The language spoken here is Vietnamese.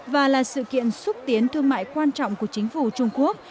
và là sự kiện xúc tiến thương mại quan trọng của chính phủ trung quốc